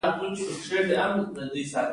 هغوی د پاک شمیم سره په باغ کې چکر وواهه.